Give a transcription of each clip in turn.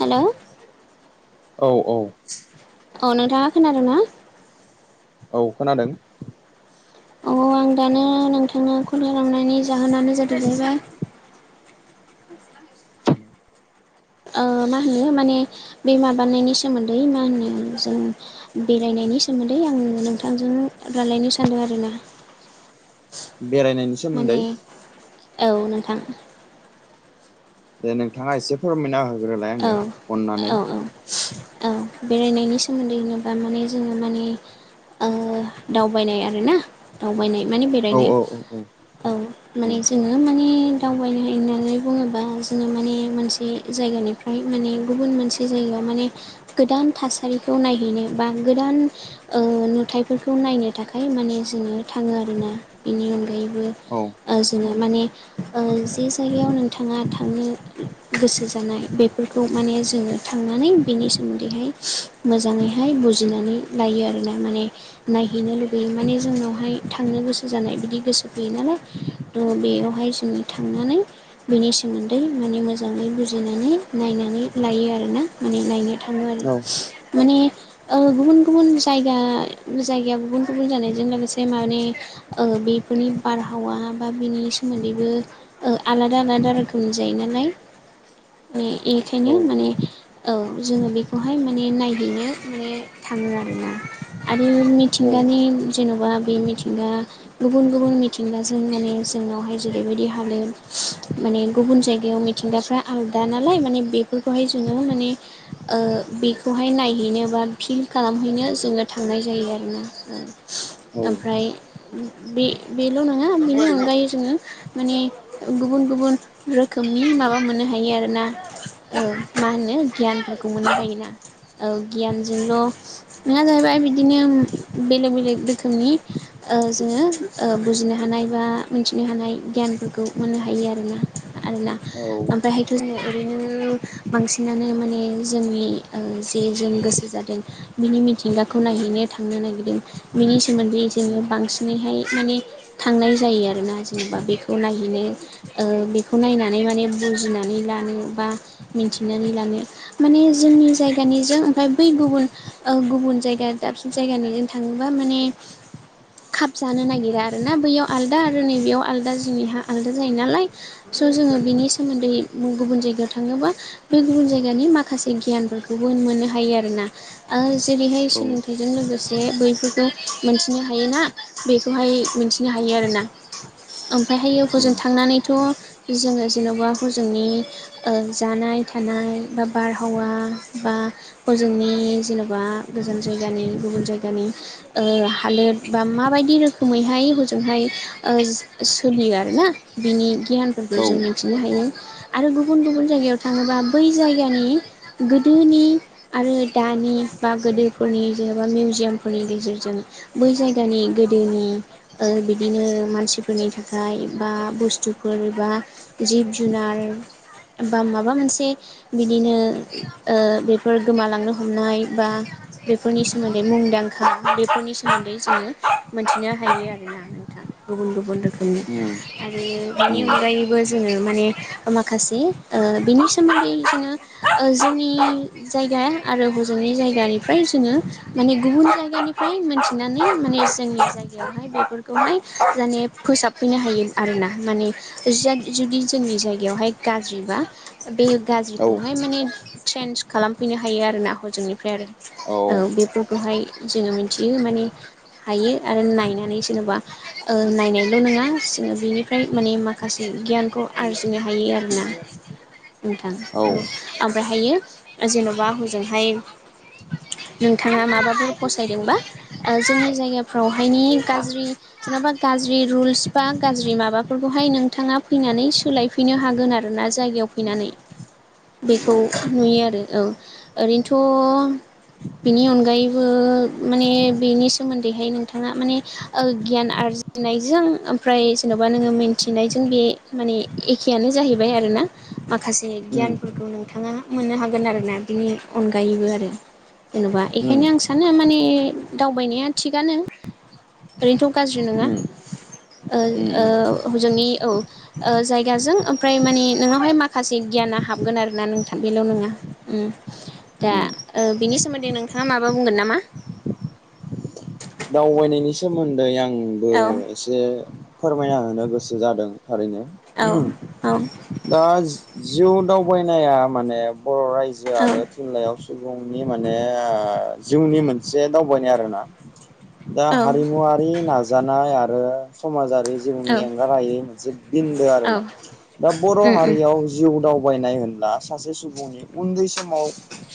हेल'? औ औ। औ नोंथाङा खोनादों ना? औ खोनादों। औ आं दानो नोंथांनो कल खालामनायनि जाहोनानोादाहैबाय आ मा होनो माने बे माबानायनि सोमोन्दै मा होनो जों बेरायनायनि सोमोन्दै आं नोंथांजों रायलायनो सानदों आरोना। बेरायनायनि माने सोमोन्दै औ नोंथां। दे नोंथाङा एसे फोरमायना होग्रोलाय औ आङो अननानै औ औ बेरायनायनि सोमोन्दै होनोबा माने जोङो माने दावबायनाय आरोना। दावबायनाय माने औ बेरायनाय औ औ औ माने जोङो जङो माने दावबायनो हायो होननानै बुङोबा जोङो माने मोनसे जायगानिफ्राय माने गुबुन मोनसे जायगायाव माने गोदान थासारिखौ नायहैनो बा गोदान नुथायाइफोरखौ नायनो थाखाय माने जोङो थाङो आरोना बेनि अनगायैबो औ जोङो माने जे जायगायाव नोंथाङा थांनो गोसो जानाय बेफोरखौ माने जोङो थांनानै बेनि सोमोन्दैहाय मोजाङैहाय बुजिनानै लायो आरोना माने नायहैनो लुुबैयो माने जोंनावहाय थांनो गोसो जानाय बिदि गोसो फैयो नालाय थ' बेयावहाय जोङो थांनानै बेनि सोमोन्दै माने मोजाङै बुजिनानै नायनानै लायो आरोना माने नायनो थाङो आरो औ माने गुबुन गुबुन जायगा जायगाया गुबुन गुबुन जानायजों लोगोसे माने बेफोरनि बारहावा बा बेनि सोमोन्दैबो आलादा आलादा रोखोमनि जायो नालाय म औ बेखायनो माने औ जोङो बेखौहाय माने नायहैनो माने थाङो आरोना आरो औ मिथिंगानि जेन'बा बे मिथिंगा गुबुन गुबुन मिथिंगाजों माने जोंनावहाय जेरैबायदि हालोर माने गुबुन जायगायाव मि थिंगाफ्रा आलदा नालाय माने बेफोरखौहाय जोङो माने ओ बेखौहाय नायहैनो बा फिल खालामहैनो जोङो थांनाय जायो आरोना औ ओ ओमफ्राय बे-बेल' नङा बेनि अनगायै जोङो माने गुबुन गुबुन रोखोमनि माबा मोननो हायो आरो। ना औ मा होनो गियानफोरखौ मोननो हायोना औ गियानजोंल' नङा जाहैबाय बिदिनो बेलेग बेलेग रोखोमनि ओ जोङो ओ बुजिनो हानाय बा मिन्थिनो हानाय गियानफोरखौ मोननो हायो आरोना। औ आलदा उम जोङो ओरैनो बांसिनानो माने जोंनि ओ जे जों गोसो जादों। बिनि मिथिंगाखौ नायहैनो थांनो नायगिरदों बिनि सोमोन्दै जोङो बांसिनैहाय माने थांनाय जायो आरोना जेनेबा बेखौ नायहैनो ओ बेखौ नायनानै माने बुजिनानै लानो बा मिथिनानै लानो माने जोंनि जायगानिजों ओमफाय बै गुबुन ओ गुबुन जायगा दाबसे जायगानि जों थाङोबा माने खाबजानो नागिरा आरोना बैयाव आलादा आरो नैबेयाव आलादा जेनिहा आलादा जायो नालाय स' जोङो बिनि सोमोन्दै गुबुन जायगायाव थाङोबा बे गुबुन जायगानि माखासे गियानफोरखौबो मोननो हायो आरोना आ जेरैहाय सोलोंथाइ जों लोगोसे बैफोरखौ मोनथिनो हायोना बेखौहाय मोनथिनो हायो आरोना ओमफायहायो हजों थांनानैथ' जोङो जेन'बा हुजोंनि ओ जानाय थानाय बा बारहावा बा हजोंनि जेन'बा गोजान जायगानि गुबुन जायगानि ओ हालोद बा माबायदि रोखोमैहाय हजोंहाय ओ सो सोलियो आरोना बिनि गियानफोरखौ औ जों मिथिनो हायो। आरो गुबुन गुबुन जायगायाव थाङोबा बै जायगानि गोदोनि आरो दानि बा गोदोफोरनि जेन'बा मिउजियामफोरनि गेजेरजों बै जायगानि गोदोनि ओ बिदिनो मानसिफोरनि थाखाय बा बुस्थुफोर बा जिब जुनार बा माबा मोनसे बिदिनो ओ बेफोर गोमालांनो हमनाय बा बेफोरनि सोमोन्दै मुंदांखा बेफोरनि सोमोन्दै जोङो मोन्थिनो हायो आरो ना गुबुन गुबुन रोखोमनि उम आरो बेनि उम अनगायैबो जोङो माने माखासे ओ बिनि सोमोन्दै जोङो ओ जोंनि जायगा आरो हजोंनि जायगानिफ्राय जोङो माने गुबुन जायगानिफ्राय मोनथिनानै माने जोंनि जाय गायावहाय बेफोरखौहाय माने फोसाबफैनो हायो आरोना माने जाद जुदि जोंनि जायगायावहाय गाज्रिबा बेयो औ गाज्रिखौहाय माने ट्रेन्स खालामफैनो हायो आरोना हजोंनिफ्राय आरो औ बेफोरखौहाय जोङो मिनथियो माने हायो आरो नायनानै जेन'बा ओ नायनायल' नङा जोङो बिनिफ्राय माने माखासे गियानखौ आरजिनो हायो आरोना नोंथां औ ओमफ्रायहायो जेन'बा हजोंहाय नोंथाङा माबाफोर फसायदोंबा ओ जोंनि जायगाफ्रावहायनि गाज्रि जेन'बा गाज्रि रुल्स बा गाज्रि माबाफोरखौहाय नोंथाङा फैनानै सोलायफैनो हागोन आरोना जायगायाव फैनानै बेखौ औ नुयो आरो औ ओरैनोथ' बिनि अनगायैबो माने बेनि सोमोन्दैहाय नोंथाङा माने गियान आरजिनायजों ओमफ्राय जेन'बा नोङो मिथिनायजों बे माने एखेयानो जाहैबाय आरो ना माखासे उम गियानफोरखौ नों थांङा मोननो हागोन आरोना बिनि अनगायैबो आरो जेन'बा उम बेखायनो आं सा सानो माने दावबायनाया थिगानो ओरैनोथ' गाज्रि नङा उम उम जोंोंनि औ जायग बिगाजों ओमफ्राय माने नोंनावहाय माखासे गियाना हाबगोन आरोोना नोंथां बेल' नङा दा उम ओ बिनि सोमोन्दै नोंथाङा माबा बुंगोन नामा? दावबायनायनि सोमोन्दै आंबो औ एसे फोरमायना होनो गोसो जादों थारैनो औ उम औ उम औ उम औ उम औ उम औ उम औ उम दा जिउ दावबायनाया माने बर' रायजो आरो जिल्लायाव सुबुंनि माने जिउनि मोनसे दावबायनाय आरोना दा हारिमुवारि नाजानाय आरो समाजारि जिउनि एंगारायै मोनसे बिन्दो आरोना दा बर' हारियाव जिउ दावबायनाय होनब्ला सासे सुबुंनि उन्दै समाव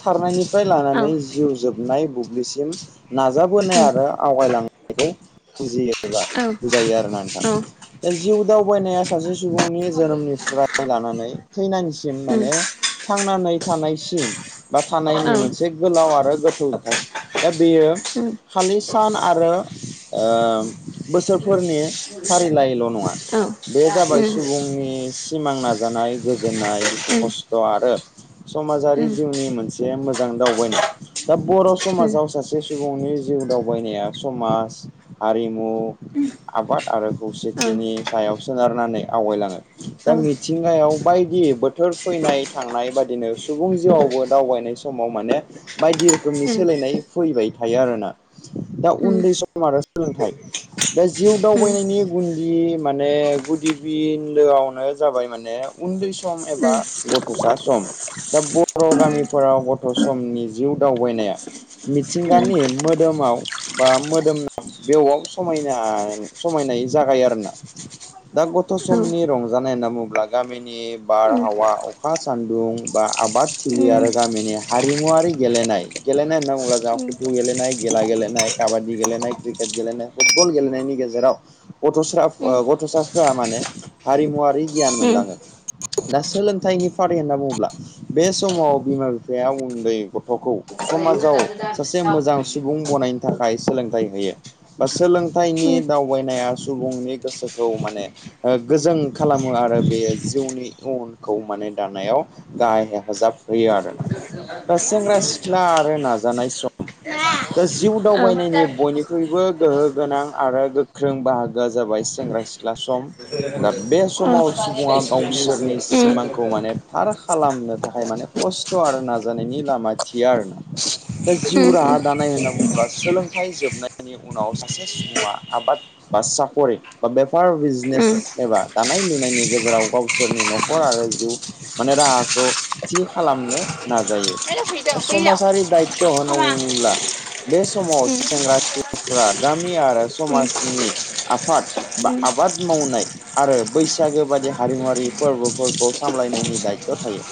खारनायनिफ्राय लानानै जिउ जोबनाय बुब्लिसिम नाजाबोनाय आरो आवगायलांनायखौ बुजियोबा बुजायो आरोना नोंथां दा जिउ दावबायनाया सासे सुबुंनि जोनोमनिफ्राय लानानै थैनायसिम माने थांनानै थानायसिम बा थानायनि मोनसे गोलाव आरो गोथौ जाथाय दा बेयो अम [unintelligible] सान आरो बोसोरफोरनि फारिलाइल' नङा बे जाबाय सुबुंनि सिमां नाजानाय गोजोननाय दुखु खस्थ' आरो समाजारि जिउनि मोनसे मोजां दावबायनाय दा बर' समाजाव सा से सुबुंनि जिउ दावबायनाया समाज हारिमु आबाद आरो खौसेथिनि सायाव सोनारनानै आवगायलाङो दा मिथिंगायाव बायदि बोथोर फैनाय थांनाय बादिनो सुबुं जिउआवबो दावबायनाय समाव माने बायदि रोखोमनि सोलायनाय फैबाय थायो आरो ना दा उन्दै सम आरो सोलोंथाइ दा जिउ दावबायनायनि गुनदि माने गुदि बिन्दोआवनो जाबाय माने उन्दै सम एबा गथ'सा सम दा बर' गामिफोराव गथ' समनि जिउ दावबायनाया मिथिंगानि मोदोमाव बा मोदोमाव बेवाव समायना समायनाय जागायो आरोना। दा गथ' समनि रंजानाय होनना बुङोब्ला गामिनि बारहावा अखा सान्दुं बा आबादथिलि आरो गामिनि हारिमुवरारि गेलेनाय गेलेनाय होनना बुंब्ला जा खुथु गेलेनाय गेला गेलेनाय काबादि गेलेनाय क्रिकेट गेलेनाय फुटबल गेलेनायनि गेजेराव गथ'सा गथ'साफ्रा माने हारिमुवरारि गियान मोनलाङो दा सोलोंथाइनि फारि होनना बुङोब्ला बे समाव बिमा बिफाया उन्दै गथ'खौ समाजाव सासे मोजां सुबुं बनायनो थाखाय सोलोंथाइ होयो बा सोलोंथाइनि दाव थगायनाया सुबुंनि गोसोखौ माने गोजों खालामो आरो बेयो जिउनि इयुनखौ माने दानायाव गाहाय हेफाजाब होयो आरोना दा सेंग्रा सिख्ला आरो नाजानाय सम दा जिउ दावबायनायनि बयनिख्रुइबो गोहो गोनां आरो गोख्रों बाहागोआ जाबाय सेंग्रा सि लासम गावसोरनि सिमांखौ माने [unintelligible] थार खालामनो थाखाय माने खस्थ' आरो नाजानायनि लामा थिया आरो ना। दा जिउ राहा दानाय होनना बुङोब्ला सोलोंथाइ जोबनायनि उनाव सासे सुबुङा आबाद बा साखरि बा बेफार बिजनेस एबा दानाय लुनायनि गेजेराव गावसोरनि न'खर आरो जिउ माने राहाखौ थि खालामनो नाजायो। समाजारि दायथ' होनांगौब्ला बे समाव सेंग्रा सिख्लाफ्रा गामि आरो समाजनि आफाद बा आबाद मावनाय आरो बैसागो बादि हारिमुवारि फोरबोफोरखौ सामलायनायनि दायथ' थायो।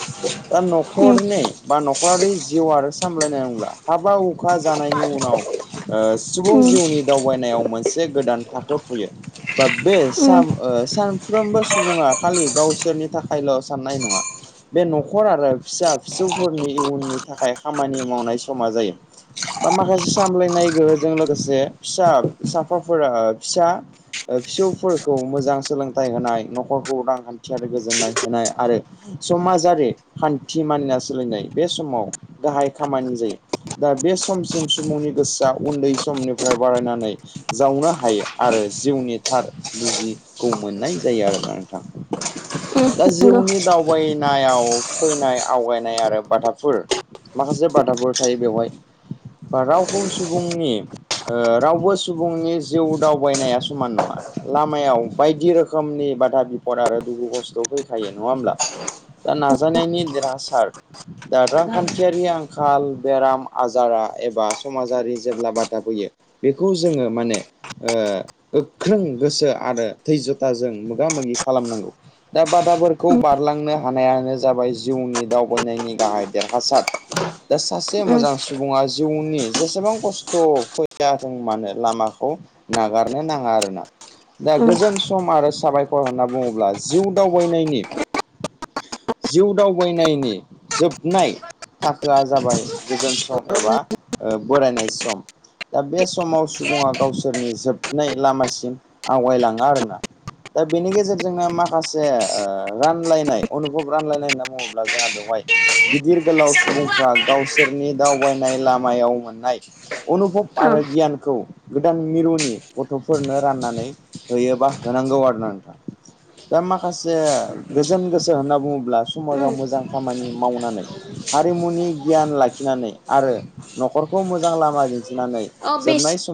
दा न'खरनि बा न'खरारि जिउ आरो सामलायनाय नंब्ला हाबा हु खा जानायनि उनाव ओ सुबुं जिउनि दावबायनायाव मोनसे गोदान थाखो फैयो बा बे साम ओ सानफ्रोमबो सुबुङा खालि गावसोरनि थाखायल' साननाय नङा बे न'खर आरो फिसा फिसौफोरनि इयुननि थाखाय खामानि मावनाय समा जायो बा माखासे सामलायनाय गोहोजों लोगोसे फिसा साफाफोरा फिसा ओ फिसौफोरखौ मोजां सोलोंथाइ होनाय न'खरखौ रांखान्थियारि गोजोननाय होनाय आरो समाजारि हान्थि मानिना सोलिनाय बे समाव गाहाय खामानि जायो दा बे समसिम सुबुंनि गोसोआ उन्दै समनिफ्राय बारायनानै जावनो हायो आरो जिउनि थार बुजिखौ मोननाय जायो आरोना नोंथां। दा उम जिउनि दावबायनायाव फैनाय आवगायनाय आरो बाथाफोर माखासे बाथाफोर थायो बेवहाय बा रावखौ सुबुंनि ओ रावबो सुबुंनि जिउ दावबायनाया समान नङा लामायाव बायदि रो खोमनि बादा बिफद आरो दुखु खस्थ' फैखायो नङा होमब्ला? दा नाजानायनि देरहासार दा रांखान्थियारि आंखाल बेराम आजारा एबा समाजारि जेब्ला बादा फोयो बेखौ जोङो माने ओ गोख्रों गोसो आरो थैजथाजों मोगा मोगि खालामनांगौ। दा बादाफोरखौ बारलांनो हानायानो जाबाय जिउनि दावबायनायनि गाहाय देरहासार दा सासे उम उम मोजां सु सुबुङा जिउनि जेसेबां खस्थ' फैया जों मानो लामाखौ नागारनो नाङा आरोना। दा गोजोन सम आरो साबायखर होनना बुङोब्ला जिउ दावबायनायनि जिउ दावबायनायनि जोबनाय थाखोआ जाबाय गोजोन सम एबा बोरायनाय सम दा बे समाव सुबुङा गावसोरनि जोबनाय लामासिम आवगायलाङा आरोना। दा बेनि गेजेरजोंनो माखासे ओ रानलायनाय अनुभब रानलायनाय होनना बुङोब्ला जोंहा बेवहाय गिदिर गोलाव सुबुंफ्रा गावसोरनि दावबायनाय लामायाव मोननाय अनुभब आरो गियानखौ गोदान मिरुनि गथ'फोरनो राननानै होयोबा होनांगौ आरोना नोंथां। दा माखासे गोजोन गोसो होनना बुङोब्ला समाजाव मोजां खामानि मावनानै हारिमुनि गियान लाखिनानै आरो न'खरखौ मोजां लामा दिन्थिनानै अ बेस जोबनाय समाव